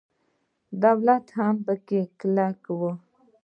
دولت هم په کې ککړ و.